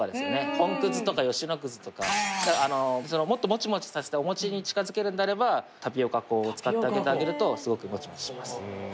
本くずとか吉野くずとかもっとモチモチさせてお餅に近づけるんであればタピオカ粉を使ってあげるとすごくモチモチします